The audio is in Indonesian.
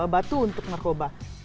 batu untuk narkoba